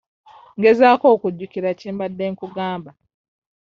Ngezaako okujjukira kye mbadde nkugamba.